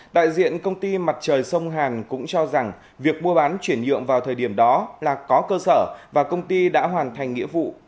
đại diện công ty mặt trời sông hàn cũng cho rằng việc mua bán chuyển nhượng vào thời điểm đó là có cơ sở và công ty đã hoàn thành nghĩa vụ